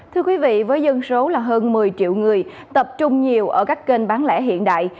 thưa quý vị với dân số là hơn một mươi triệu người tập trung nhiều ở các kênh bán lẻ hiện đại